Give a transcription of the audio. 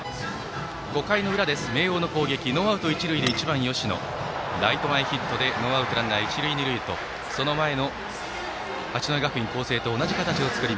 ５回裏、明桜の攻撃ノーアウト、一塁で１番、吉野、ライト前ヒットでノーアウトランナー、一塁二塁とその前の八戸学院光星と同じ形です。